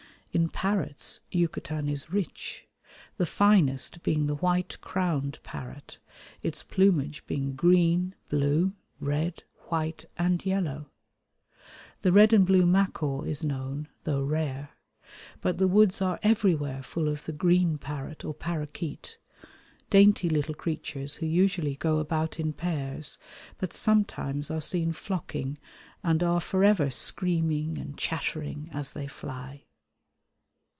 In parrots Yucatan is rich, the finest being the white crowned parrot, its plumage being green, blue, red, white, and yellow. The red and blue macaw is known, though rare; but the woods are everywhere full of the green parrot or parakeet, dainty little creatures who usually go about in pairs, but sometimes are seen flocking and are for ever screaming and chattering as they fly.